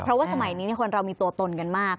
เพราะว่าสมัยนี้คนเรามีตัวตนกันมาก